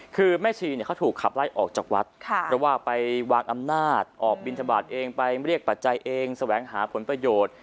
คือแม่ชีเนี่ยเขาถูกขับไล่ออกจากวัดเพราะว่าไปวางอำนาจออกบินทบาทเองไปเรียกปัจจัยเองแสวงหาผลประโยชน์